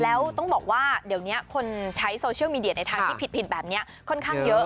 แล้วต้องบอกว่าเดี๋ยวนี้คนใช้โซเชียลมีเดียในทางที่ผิดแบบนี้ค่อนข้างเยอะ